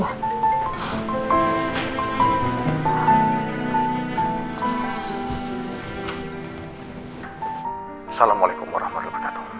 assalamualaikum warahmatullahi wabarakatuh